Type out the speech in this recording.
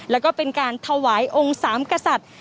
แล้วก็เป็นการถวายองค์สามกษัตริย์